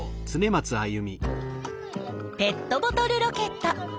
ペットボトルロケット。